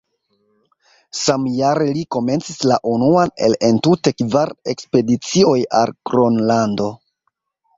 Samjare li komencis la unuan el entute kvar ekspedicioj al Gronlando.